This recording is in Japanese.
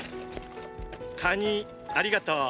カニありがとう。